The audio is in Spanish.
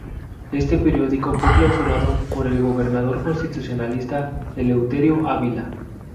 Este periódico fue clausurado por el gobernador constitucionalista Eleuterio Ávila.